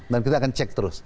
dan kita akan cek terus